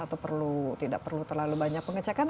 atau tidak perlu terlalu banyak pengecekan